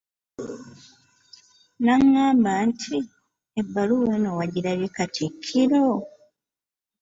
N’angamba nti “ebbaluwa eno wagirabye Katikkiro?